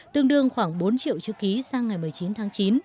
tương đương khoảng bốn triệu chữ ký sang ngày một mươi chín tháng chín